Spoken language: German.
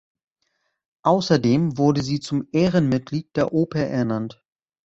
Außerdem wurde sie zum Ehrenmitglied der Oper ernannt.